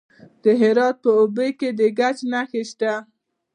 د هرات په اوبې کې د ګچ نښې شته.